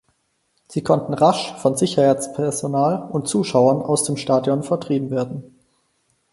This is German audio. Sie konnten rasch von Sicherheitspersonal und Zuschauern aus dem Stadion vertrieben werden.